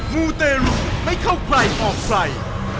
มูเตรุไม่เข้าใครออกใคร